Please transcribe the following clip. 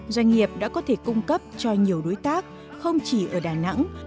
doanh nghiệp đã có thể cung cấp cho nhiều đối tác không chỉ ở đà nẵng